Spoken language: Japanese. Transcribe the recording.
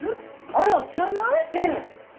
あら知らない？ええ。